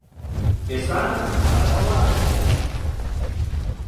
Ez ahantz parasola hartzea!